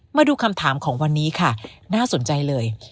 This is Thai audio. มาดูคำถามของวันนี้ค่ะน่าสนใจเลย